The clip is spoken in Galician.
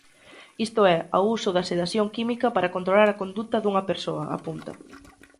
Isto é, ao uso de sedación química para controlar a conduta dunha persoa, apunta.